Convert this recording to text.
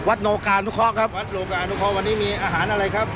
วัดโลกานุครองค์ครับวัดโลกานุครองค์วันนี้มีอาหารอะไรครับ